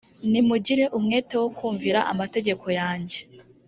nimugira umwete wo kumvira amategeko yanjye